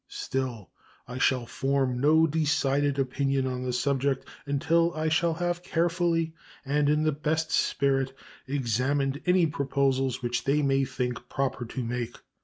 Still, I shall form no decided opinion on the subject until I shall have carefully and in the best spirit examined any proposals which they may think proper to make.